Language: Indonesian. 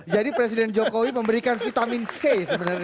jadi presiden jokowi memberikan vitamin c sebenarnya